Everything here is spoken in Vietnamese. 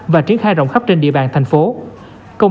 và triển khai rộng khắp trên địa bàn tp hcm